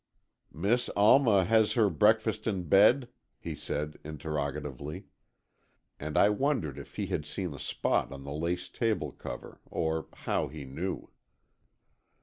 "Miss Alma has her breakfast in bed," he said, interrogatively, and I wondered if he had seen a spot on the lace table cover, or how he knew.